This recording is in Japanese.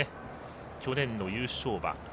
去年の優勝馬。